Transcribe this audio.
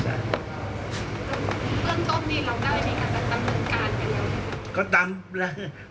เรื่องต้มนี่เราได้ดีกว่าแต่ตำรวจการกันแล้ว